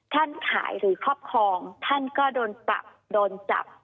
ท่านขายหรือครอบครองท่านก็โดนปรับโดนจับ